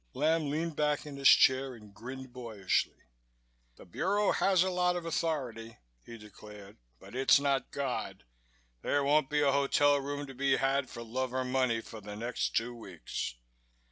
Lamb leaned back in his chair and grinned boyishly. "The Bureau has a lot of authority," he declared, "but it's not God. There won't be a hotel room to be had for love or money for the next two weeks.